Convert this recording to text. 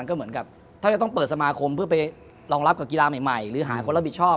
ก็เหมือนกับถ้าจะต้องเปิดสมาคมเพื่อไปรองรับกับกีฬาใหม่หรือหาคนรับผิดชอบ